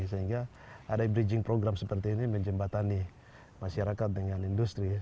sehingga ada bridging program seperti ini menjembatani masyarakat dengan industri